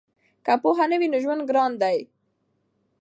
که پوهه نه وي نو ژوند ګران دی.